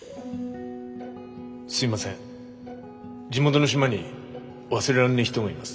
すいません地元の島に忘れらんねえ人がいます。